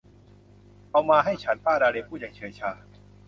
เอามาให้ฉัน ป้าดาเลียพูดอย่างเฉื่อยชา